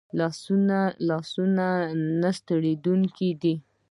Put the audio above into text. لاسونه نه ستړي کېدونکي دي